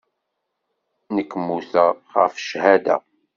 Nekk mmuteɣ ɣef ccahada.